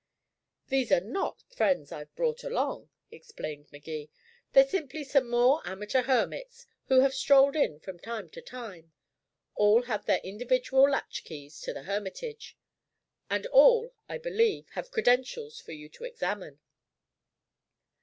"These are not friends I've brought along," explained Magee. "They're simply some more amateur hermits who have strolled in from time to time. All have their individual latch keys to the hermitage. And all, I believe, have credentials for you to examine."